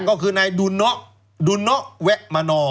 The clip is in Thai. ก็คือในดุละแวร์มะนอร์